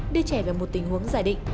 đưa trẻ vào một tình huống giải định